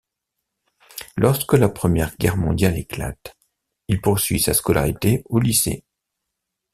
Lorsque la Première Guerre mondiale éclate, il poursuit sa scolarité au lycée.